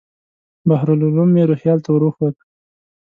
بحر العلوم مې روهیال ته ور وښود.